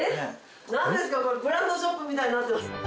何ですかこれブランドショップみたいになってます。